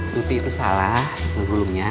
tuti itu salah sebelumnya